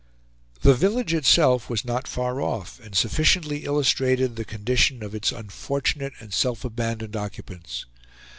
The village itself was not far off, and sufficiently illustrated the condition of its unfortunate and self abandoned occupants.